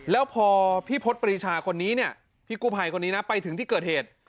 แล้วพอพี่พศปรีชาคนนี้เนี่ยพี่กู้ภัยคนนี้นะไปถึงที่เกิดเหตุ